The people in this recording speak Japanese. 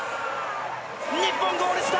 日本ゴールした！